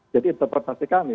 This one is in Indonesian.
jadi interpretasi kami